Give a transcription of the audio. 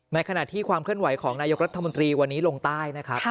ในขณะที่ความเคลื่อนไหวของนายกรัฐมนตรีวันนี้ลงใต้นะครับ